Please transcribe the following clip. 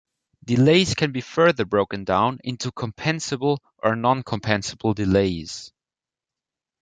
Delays can be further broken down into compensable or non-compensable delays.